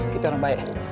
kita orang baik